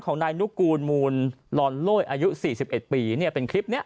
ของนายนุกูลมูลลอนโลยอายุ๔๑ปีเนี่ยเป็นคลิปนี้